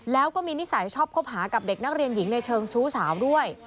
แล้วก็มีนิสัยชอบคบหากับเด็กนักเรียนหญิงในเชิงชู้สาวด้วย